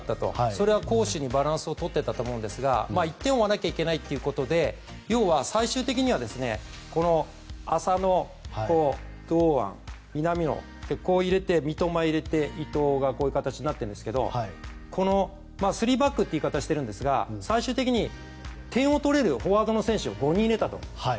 それは攻守にバランスを取っていたからだと思いますが１点を追わなきゃいけないということで最終的には浅野、堂安、南野三笘を入れて伊東がこういう形になっているんですがこの３バックという言い方をしているんですが最終的に点を取れるフォワードの選手を５人入れたと。